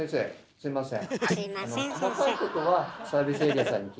すいません。